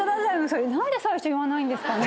それ何で最初言わないんですかね。